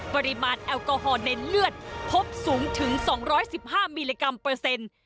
ปริมาณแอลกอฮอล์ในเลือดพบสูงถึง๒๑๕มิลลิกรัมเปอร์เซ็นต์